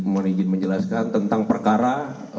meminijin menjelaskan tentang perkara